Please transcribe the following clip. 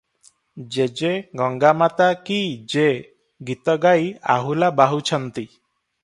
'ଜେ ଜେ-ଗଙ୍ଗାମାତା କି ଜେ' ଗୀତ ଗାଇ ଆହୁଲା ବାହୁଛନ୍ତି ।